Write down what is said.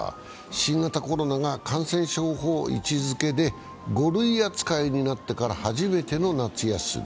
新型コロナが感染症法の位置づけで５類扱いになってから初めての夏休み。